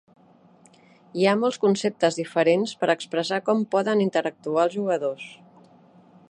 Hi ha molts conceptes diferents per expressar com poden interactuar els jugadors.